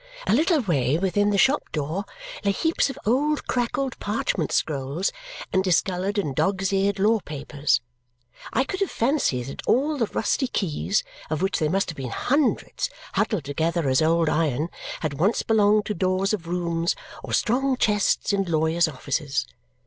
A little way within the shop door lay heaps of old crackled parchment scrolls and discoloured and dog's eared law papers. I could have fancied that all the rusty keys, of which there must have been hundreds huddled together as old iron, had once belonged to doors of rooms or strong chests in lawyers' offices.